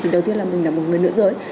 đầu tiên là mình là một người lưỡng dối